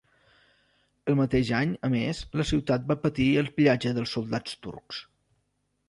El mateix any, a més, la ciutat va patir el pillatge dels soldats turcs.